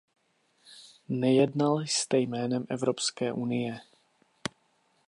Nejednal jste jménem Evropské unie.